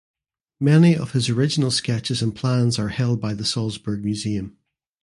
Many of his original sketches and plans are held by the Salzburg Museum.